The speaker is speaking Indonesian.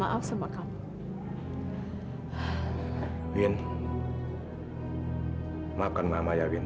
aku mau menunggu agrek disini